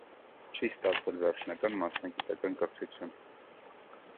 Չի ստացել վերջնական մասնագիտական կրթություն։